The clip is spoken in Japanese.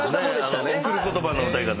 『贈る言葉』の歌い方。